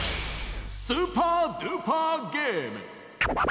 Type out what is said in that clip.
「スーパードゥーパーゲーム」。